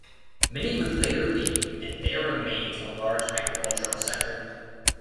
Many would later leave, and there remains a large agricultural sector.